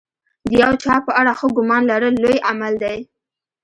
د یو چا په اړه ښه ګمان لرل لوی عمل دی.